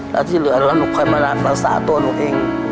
แล้วที่เหลือแล้วหนูค่อยมารักษาตัวหนูเอง